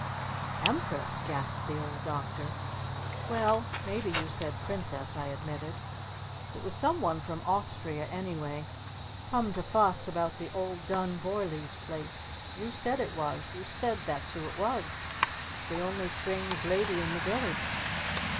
"The Empress?" gasped the Old Doctor. "Well maybe you said 'Princess,'" I admitted. "It was some one from Austria anyway come to fuss about the old Dun Vorlees place! You said it was! You said that's who it was! It's the only Strange Lady in the village!"